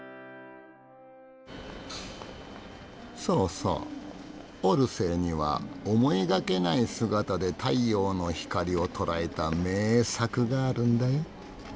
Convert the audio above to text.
そうそうオルセーには思いがけない姿で太陽の光を捉えた名作があるんだよ。